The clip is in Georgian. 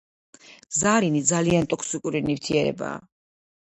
ზარინი ძალიან ტოქსიკური ნივთიერებაა.